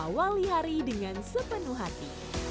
awali hari dengan sepenuh hati